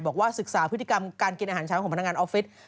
บอกว่าศึกษาพฤติกรรมการกินอาหารเช้าของพนักงานออฟฟิศ